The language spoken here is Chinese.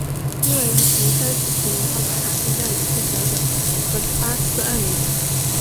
另外亦曾三次提名奥斯卡最佳女配角奖和十八次艾美奖。